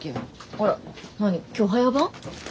あら何今日早番？